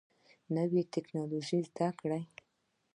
نوي ټکنالوژي زده کړئ